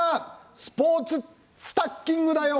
スポーツスタッキングだよ」